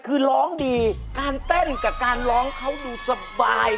คือร้องดีการเต้นกับการร้องเขาดูสบาย